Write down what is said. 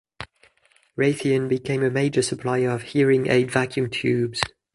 Raytheon became a major supplier of hearing aid vacuum tubes.